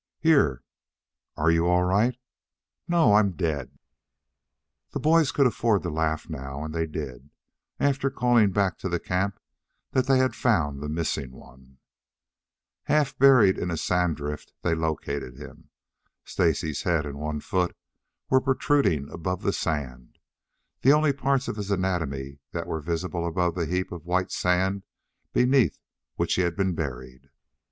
"Here." "Are you all right?" "No, I'm dead." The boys could afford to laugh now, and they did, after calling back to the camp that they had found the missing one. Half buried in a sand drift they located him. Stacy's head and one foot were protruding above the sand, the only parts of his anatomy that were visible above the heap of white sand beneath which he had been buried.